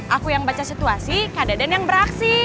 aku yang baca situasi kak deden yang beraksi